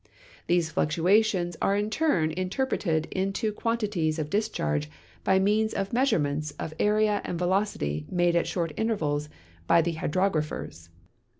These fluctuations are in turn inter preted into quantities of discharge by means of measurements of area and velocity made at .short intervals by the hydrograi)hers.